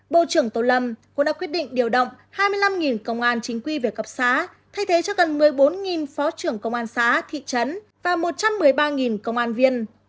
bộ trưởng tô lâm cũng đã quyết định điều động hai mươi năm công an chính quy về cấp xã thay thế cho gần một mươi bốn phó trưởng công an xã thị trấn và một trăm một mươi ba công an viên